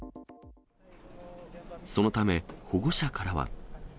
そのため、保護者からは。